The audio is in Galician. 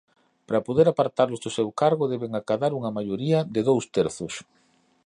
Para poder apartalos do seu cargo deben acadar unha maioría de dous terzos.